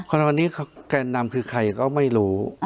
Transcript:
คณะกรรมนี้แกนนำคือใครก็ไม่รู้